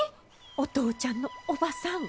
お父ちゃんの叔母さん。